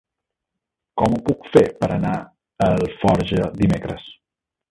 Com ho puc fer per anar a Alforja dimecres?